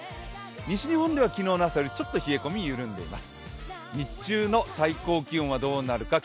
西日本では昨日の朝よりちょっと冷え込み、緩んでいます。